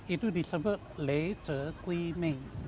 itu disebut lei ce kui mei